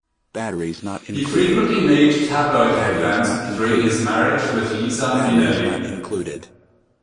He frequently made tabloid headlines during his marriage with Liza Minnelli.